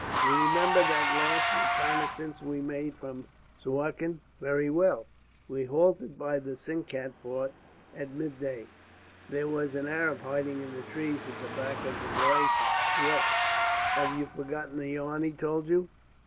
"You remember that last reconnaissance we made from Suakin?" "Very well." "We halted by the Sinkat fort at midday. There was an Arab hiding in the trees at the back of the glacis." "Yes." "Have you forgotten the yarn he told you?"